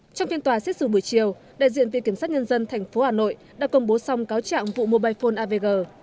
trong phiên tòa xét xử buổi chiều đại diện viện kiểm sát nhân dân tp hà nội đã công bố xong cáo trạng vụ mobile phone avg